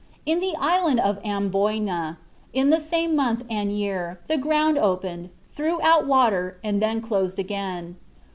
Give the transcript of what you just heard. "In the island of Amboyna, in the same month and year, the ground opened, threw out water and then closed again."